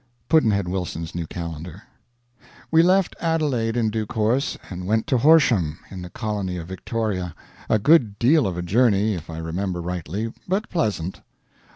Pudd'nhead Wilson's New Calendar. We left Adelaide in due course, and went to Horsham, in the colony of Victoria; a good deal of a journey, if I remember rightly, but pleasant.